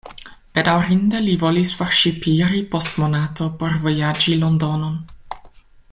Bedaŭrinde li volis forŝipiri post monato por vojaĝi Londonon.